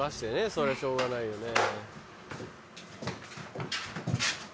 そりゃしょうがないよね。